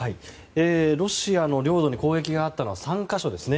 ロシアの領土に攻撃があったのは３か所です。